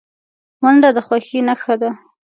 منډه د خوښۍ نښه ده